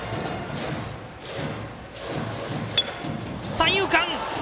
三遊間！